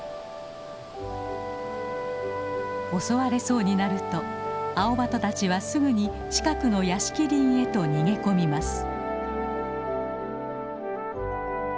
襲われそうになるとアオバトたちはすぐに近くの屋敷林へと逃げ込みます。